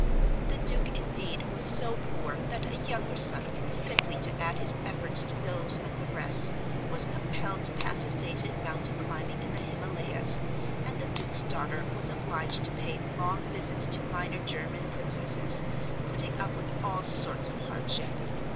The Duke indeed was so poor that a younger son, simply to add his efforts to those of the rest, was compelled to pass his days in mountain climbing in the Himalayas, and the Duke's daughter was obliged to pay long visits to minor German princesses, putting up with all sorts of hardship.